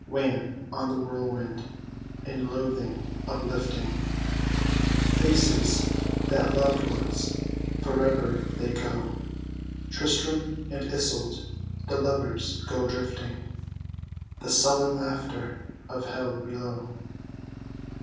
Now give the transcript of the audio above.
Wan on the whirlwind, in loathing uplifting Faces that loved once, forever they go, TRISTAM and ISOLT, the lovers, go drifting, The sullen laughter of Hell below.